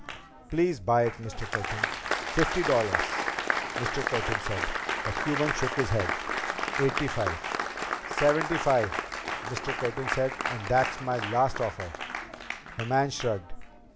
"Please buy it, Mr. Curtin." "Fifty dollars," Mr. Curtin said. The Cuban shook his head. "Eighty five." "Seventy five," Mr. Curtin said, "and that's my last offer." The man shrugged.